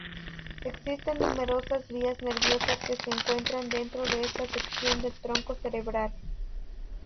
Existen numerosas vías nerviosas que se encuentran dentro de esta sección del tronco cerebral.